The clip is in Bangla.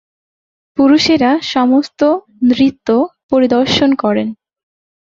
পুরুষেরা সমস্ত নৃত্য পরিদর্শন করেন।